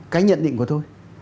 cái nhận định của tôi